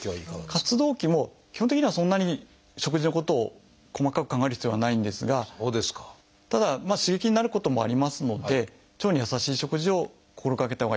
活動期も基本的にはそんなに食事のことを細かく考える必要はないんですがただ刺激になることもありますので腸に優しい食事を心がけたほうがよいと思いますね。